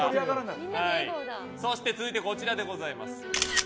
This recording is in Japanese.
そして続いてこちらでございます。